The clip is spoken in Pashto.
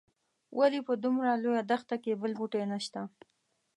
ولې په دومره لویه دښته کې بل بوټی نه شته.